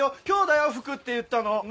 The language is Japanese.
今日だよ吹くって言ったの。